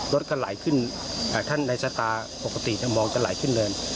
รถก็ไหลขึ้นท่านในสตาร์ปกติมองจะไหลขึ้นเนิน